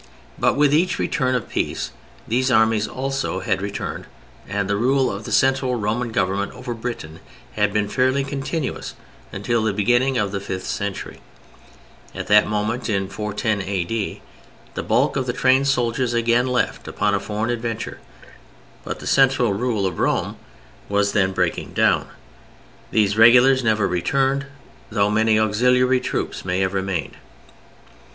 But with each return of peace these armies also had returned and the rule of the central Roman government over Britain had been fairly continuous until the beginning of the fifth century. At that moment—in 410 A.D.—the bulk of the trained soldiers again left upon a foreign adventure. But the central rule of Rome was then breaking down: these regulars never returned—though many auxiliary troops may have remained.